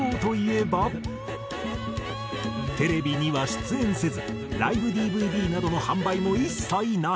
テレビには出演せずライブＤＶＤなどの販売も一切なし。